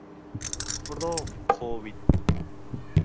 โรคโควิด